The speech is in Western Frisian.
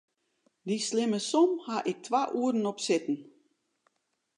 Dy slimme som haw ik twa oeren op sitten.